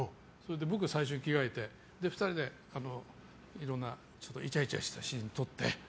僕が最初に着替えて２人で、いろんないちゃいちゃしたシーン撮って。